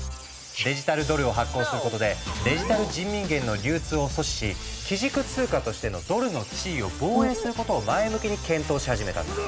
デジタルドルを発行することでデジタル人民元の流通を阻止し基軸通貨としてのドルの地位を防衛することを前向きに検討し始めたんだ。